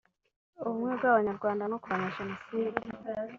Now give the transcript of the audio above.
Ubumwe bw’Abanyarwanda no kurwanya Jenoside